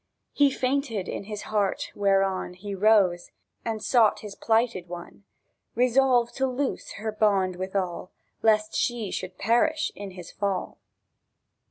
He fainted in his heart, whereon He rose, and sought his plighted one, Resolved to loose her bond withal, Lest she should perish in his fall.